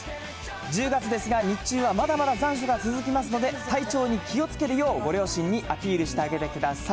１０月ですが、日中はまだまだ残暑が続きますので、体調に気をつけるようご両親にアピールしてあげてください。